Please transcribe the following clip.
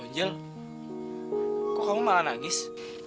lo anjel kok kamu malah nangis